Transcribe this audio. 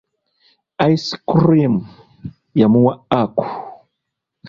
Ice cream yamuwa Aku.